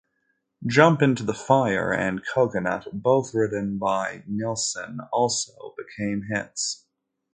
"Jump into the Fire" and "Coconut", both written by Nilsson, also became hits.